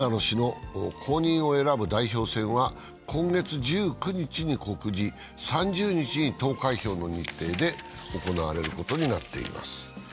枝野氏の後任を選ぶ代表選は今月１９日に告示、３０日に投開票の日程で行われることになっています。